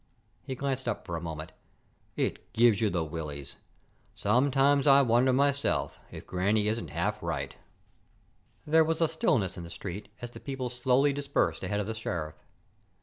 He glanced up for a moment. "It gives you the willies. Sometimes I wonder, myself, if Granny isn't half right." There was a stillness in the street as the people slowly dispersed ahead of the Sheriff.